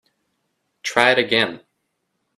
Try it again.